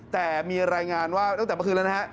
แต่มีรายงานว่าตั้งแต่เมื่อคืนแล้วนะฮะ